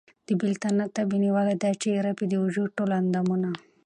د بېلتانه تبې نيولی ، دا چې ئې رپي د وجود ټول اندامونه